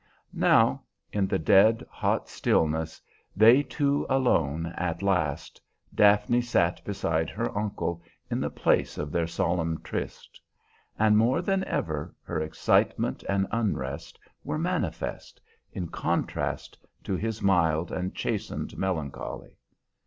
Now, in the dead, hot stillness, they two alone at last, Daphne sat beside her uncle in the place of their solemn tryst; and more than ever her excitement and unrest were manifest, in contrast to his mild and chastened melancholy.